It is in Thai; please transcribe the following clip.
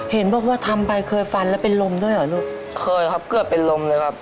เห็นบอกว่าทำไปเคยฟันแล้วเป็นลมด้วยหรือลูก